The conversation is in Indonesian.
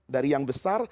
dari yang besar